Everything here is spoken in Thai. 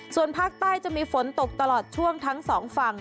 ส่วนภาคใต้จะมีฝนตกตลอดช่วงทั้งสองฝั่ง